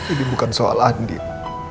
ini bukan soal andin